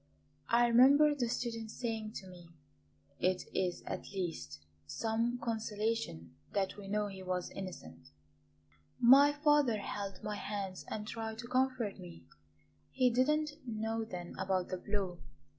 I remember the student saying to me: 'It is at least some consolation that we know he was innocent' My father held my hands and tried to comfort me; he did not know then about the blow.